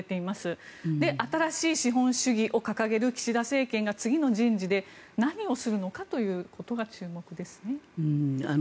それで、新しい資本主義を掲げる岸田政権が次の人事で何をするのかということが注目ですね。